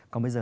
còn bây giờ